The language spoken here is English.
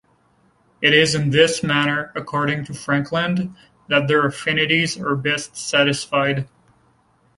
It is in this manner, according to Frankland, that their affinities are best satisfied.